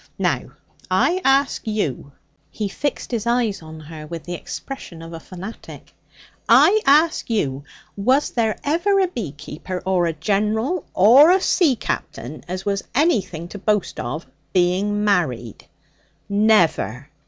Now I ask you' he fixed his eyes on her with the expression of a fanatic 'I ask you, was there ever a beekeeper or a general or a sea captain as was anything to boast of, being married? Never!